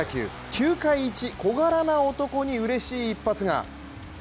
球界一小柄な男にうれしい一発が。